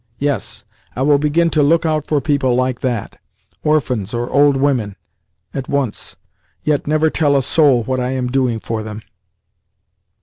Yes, I will begin to look out for people like that orphans or old women at once, yet never tell a soul what I am doing for them.